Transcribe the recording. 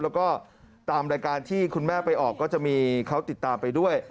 แล้วก็ตามรายการที่คุณแม่ไปออกก็จะมีเขาติดตามไปด้วย